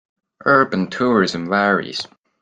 Urban tourism varies.